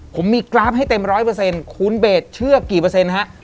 ผมมีกราฟให้เต็ม๑๐๐คุณเบทเชื่อกี่เปอร์เซ็นต์ฮะ